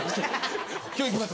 今日行きます。